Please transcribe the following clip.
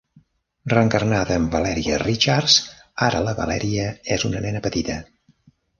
Reencarnada en Valeria Richards, ara la Valeria és una nena petita.